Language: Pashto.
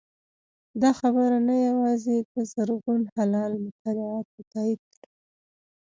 دا خبره نه یوازې د زرغون هلال مطالعاتو تایید کړې